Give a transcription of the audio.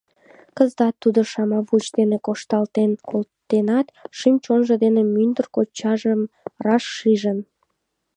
Кызытат тудо шымавуч дене шокталтен колтенат, шӱм-чонжо дене мӱндыр кочажым раш шижын.